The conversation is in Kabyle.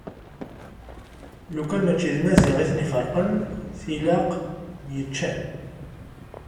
Lukan mačči d Maziɣ iten-iferqen tilaq myuččen.